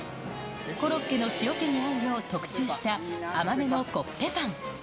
コロッケの塩気に合うよう特注した甘めのコッペパン。